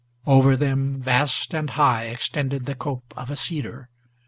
Over them vast and high extended the cope of a cedar.